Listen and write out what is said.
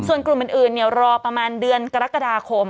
ส่วนกลุ่มอื่นรอประมาณเดือนกรกฎาคม